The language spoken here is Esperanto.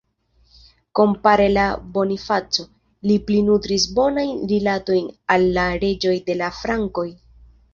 Kompare al Bonifaco, li pli nutris bonajn rilatojn al la reĝoj de la frankoj.